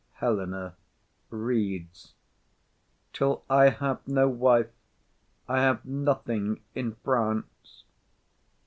HELENA. [Reads.] _Till I have no wife, I have nothing in France.